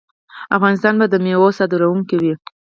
افغانستان به د میوو صادروونکی وي.